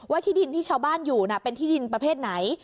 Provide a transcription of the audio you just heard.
ที่ดินที่ชาวบ้านอยู่เป็นที่ดินประเภทไหน